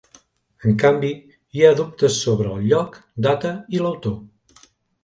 En canvi hi ha dubtes sobre el lloc, data i l'autor.